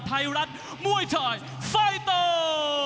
ไทยรัฐมวยชายไฟเตอร์